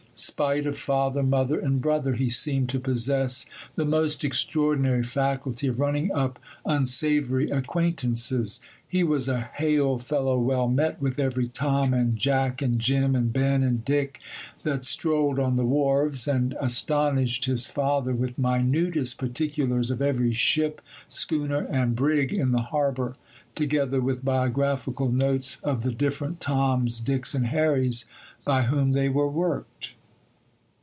Spite of father, mother, and brother, he seemed to possess the most extraordinary faculty of running up unsavoury acquaintances. He was a hail fellow well met with every Tom and Jack and Jim and Ben and Dick that strolled on the wharves, and astonished his father with minutest particulars of every ship, schooner, and brig in the harbour, together with biographical notes of the different Toms, Dicks, and Harrys, by whom they were worked.